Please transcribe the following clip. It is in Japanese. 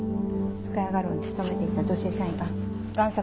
深谷画廊に勤めていた女性社員が贋作